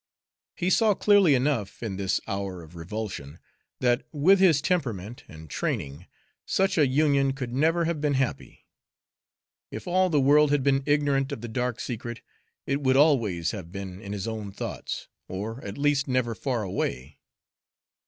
He saw clearly enough, in this hour of revulsion, that with his temperament and training such a union could never have been happy. If all the world had been ignorant of the dark secret, it would always have been in his own thoughts, or at least never far away.